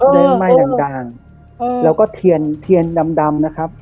ไม่ไหม้ดังด่างอืมแล้วก็เทียนเทียนดำดำนะครับ